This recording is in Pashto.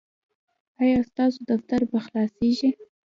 ایا ستاسو دفتر به خلاصیږي؟